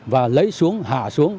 và lấy xuống hạ xuống